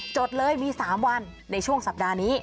ดเลยมี๓วันในช่วงสัปดาห์นี้